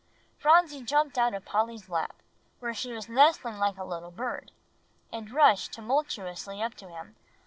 Phronsie jumped out of Polly's lap, where she was nestling like a little bird, and rushed tumultuously up to him.